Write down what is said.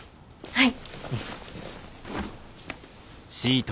はい。